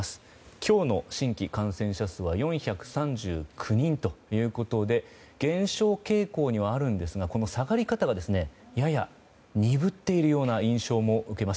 今日の新規感染者数は４３９人ということで減少傾向にはあるんですがこの下がり方がやや鈍っているような印象も受けます。